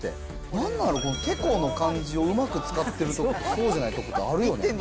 なんだろ、この、てこの感じをうまく使ってるとこと、そうじゃないとこがあるよね。